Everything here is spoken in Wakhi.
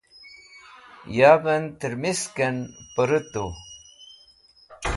Yavẽn tẽrmisẽkẽn pẽrutu.